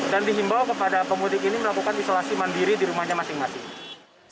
dan dihimbau kepada pemudik ini melakukan isolasi mandiri di rumahnya masing masing